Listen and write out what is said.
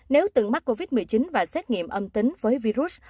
nếu từng mắc covid một mươi chín và xét nghiệm âm tính với virus